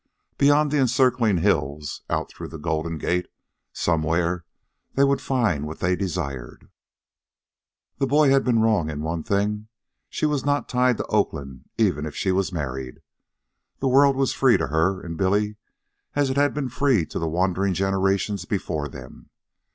Beyond the encircling hills, out through the Golden Gate, somewhere they would find what they desired. The boy had been wrong in one thing. She was not tied to Oakland, even if she was married. The world was free to her and Billy as it had been free to the wandering generations before them.